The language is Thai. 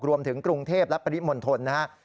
รวมถึงกรุงเทพและปริมนต์ธนนะฮะ